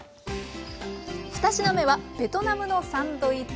２品目はベトナムのサンドイッチ